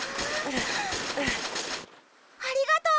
ありがとう！